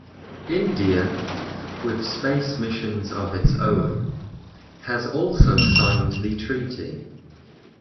India, with space missions of its own, has also signed the treaty.